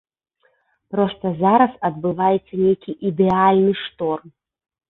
Проста зараз адбываецца нейкі ідэальны шторм.